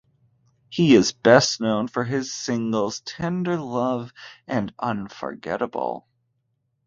He is best known for his singles "Tender Love" and "Unforgettable".